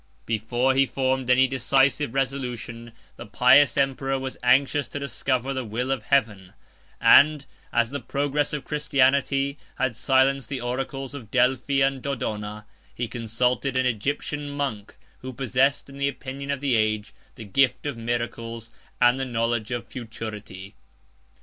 Before he formed any decisive resolution, the pious emperor was anxious to discover the will of Heaven; and as the progress of Christianity had silenced the oracles of Delphi and Dodona, he consulted an Egyptian monk, who possessed, in the opinion of the age, the gift of miracles, and the knowledge of futurity.